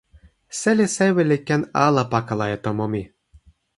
seli sewi li ken ala pakala e tomo mi.